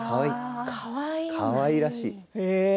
かわいらしい。